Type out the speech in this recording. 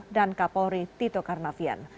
dan kapolri tito karnavian